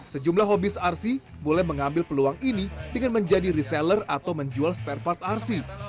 sejumlah hobis rc mulai mengambil peluang ini dengan menjadi reseller atau menjual spare part rc